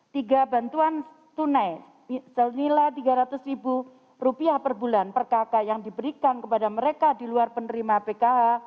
tiga bantuan tunai senilai rp tiga ratus ribu rupiah per bulan per kakak yang diberikan kepada mereka di luar penerima pkh